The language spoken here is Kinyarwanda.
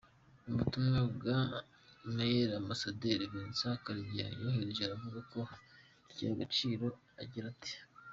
Mu butumwa bwa email Ambassadeur Vincent Karega yohereje aravuga ku kigega Agaciro agira ati: